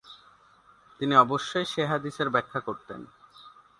তিনি অবশ্যই সে হাদীসের ব্যাখ্যা করতেন।